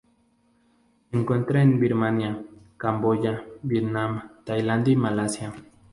Se encuentra en Birmania, Camboya, Vietnam, Tailandia y Malasia.